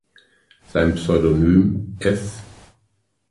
Sein Pseudonym ‚F.